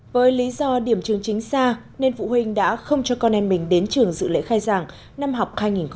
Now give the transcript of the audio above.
với lý do điểm trường chính xa nên phụ huynh đã không cho con em mình đến trường dự lễ khai giảng năm học hai nghìn một mươi tám hai nghìn một mươi chín